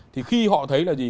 thì khi họ thấy là gì